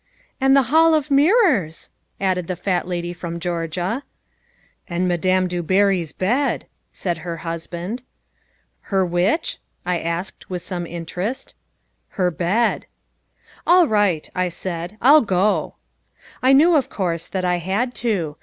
"And the Hall of Mirrors," added the fat lady from Georgia. "And Madame du Barry's bed" said her husband. "Her which," I asked, with some interest. "Her bed." "All right," I said, "I'll go." I knew, of course, that I had to.